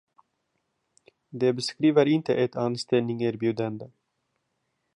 Det beskriver inte ett anställningserbjudande.